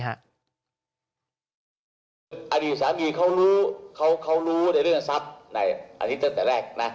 อดีตสามีเขารู้ในเรื่องสับอันนี้ตั้งแต่แรก